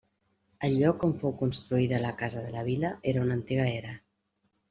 El lloc on fou construïda la casa de la Vila era una antiga era.